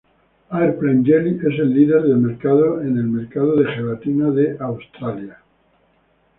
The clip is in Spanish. Airplane Jelly es el líder del mercado en el mercado de gelatina de Australia.